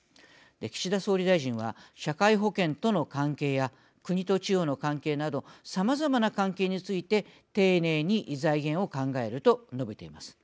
岸田総理大臣は「社会保険との関係や国と地方の関係などさまざまな関係について丁寧に財源を考える」と述べています。